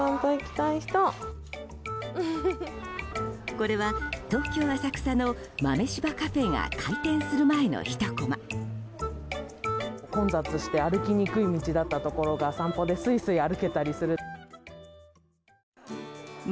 これは、東京・浅草の豆柴カフェが開店する前のひとコマ。